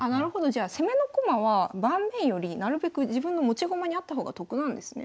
じゃあ攻めの駒は盤面よりなるべく自分の持ち駒にあった方が得なんですね。